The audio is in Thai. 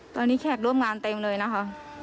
ตอนนี้แขกร่วมงานเต็มเลยนะคะ